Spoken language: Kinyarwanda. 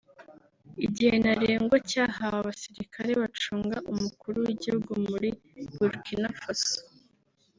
Igihe ntarengwa cyahawe abasirikare bacunga umukuru w’igihugu muri Burkina Faso